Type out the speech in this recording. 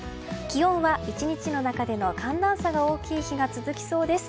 気温は１日の中での寒暖差が大きい日が続きそうです。